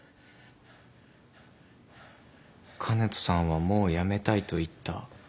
香音人さんはもうやめたいと言った。